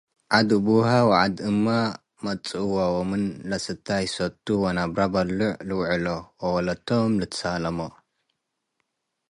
ዐድ አቡሀ ወዐድ እመ መጽእወ ወምን ለስተይ ሰቱ ወነብረ በልዖ ልውዕሎ ወወለቶም ልትሳለሞ ።